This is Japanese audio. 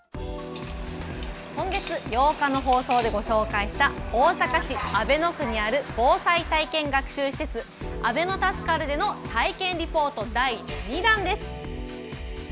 今月８日の放送でご紹介した、大阪市阿倍野区にある防災体験学習施設、あべのタスカルでの体験リポート第２弾です。